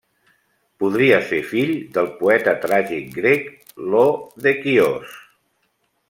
Podria ser fill del poeta tràgic grec Ió de Quios.